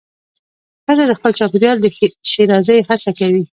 ښځه د خپل چاپېریال د ښېرازۍ هڅه کوي.